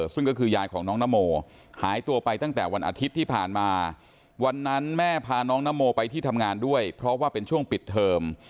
ซึ่งก็คือยายของน้องนโมหายตัวไปตั้งแต่วันอาทิตย์ที่ผ่านมาวันนั้นแม่พาน้องนโมไปที่ทำงานด้วยเพราะว่าเป็นช่วงปิดเทอม